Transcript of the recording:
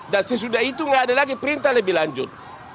dan sesudah itu nggak ada lagi perintah lebih lanjut